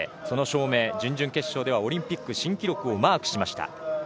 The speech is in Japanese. その証明、準々決勝ではオリンピック新記録をマークしました。